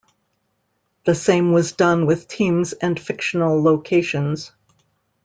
The same was done with teams and fictional locations.